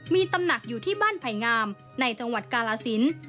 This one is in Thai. มีตำหนักอยู่ที่บ้านไผ่งามในจังหวัดกาลสิน